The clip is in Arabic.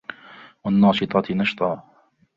والناشطات نشطا